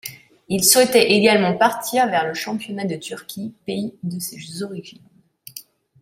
Il souhaitait également partir vers le championnat de Turquie, pays de ses origines.